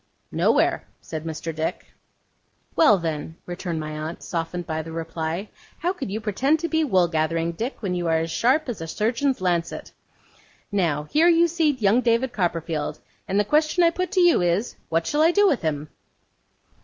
'Nowhere,' said Mr. Dick. 'Well then,' returned my aunt, softened by the reply, 'how can you pretend to be wool gathering, Dick, when you are as sharp as a surgeon's lancet? Now, here you see young David Copperfield, and the question I put to you is, what shall I do with him?